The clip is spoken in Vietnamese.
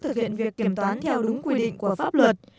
thực hiện việc kiểm toán theo đúng quy định của pháp luật